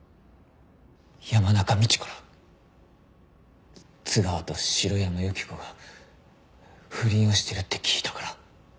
山中みちから津川と城山由希子が不倫をしてるって聞いたから。